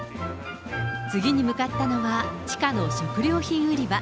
次に向かったのは地下の食料品売り場。